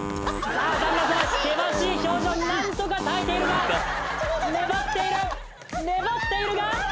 何とか耐えているが粘っている粘っているがパパ！